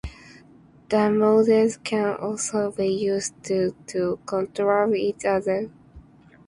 The modules can also be used to control each other.